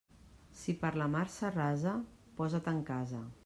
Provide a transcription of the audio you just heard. Si per la mar s'arrasa, posa't en casa.